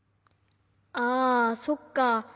あそっか。